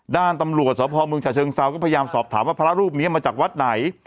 ด้านตำรวจสพเมืองฉะเชิงเซาก็พยายามสอบถามว่าพระรูปนี้มาจากวัดไหน